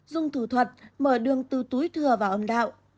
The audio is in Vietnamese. dùng thủ thuật mở đường từ túi thừa vào âm đạo